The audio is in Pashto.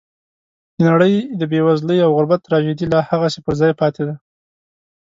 د نړۍ د بېوزلۍ او غربت تراژیدي لا هغسې پر ځای پاتې ده.